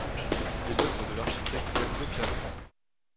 Il est l'œuvre de l'architecte Renzo Piano.